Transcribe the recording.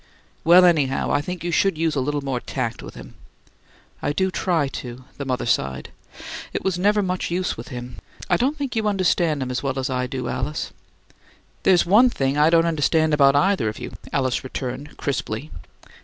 "Well, anyhow, I think you could use a little more tact with him." "I do try to," the mother sighed. "It never was much use with him. I don't think you understand him as well as I do, Alice." "There's one thing I don't understand about either of you," Alice returned, crisply.